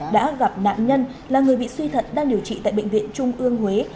đã gặp nạn nhân là người bị suy thận đang điều trị tại bệnh viện trung ương huế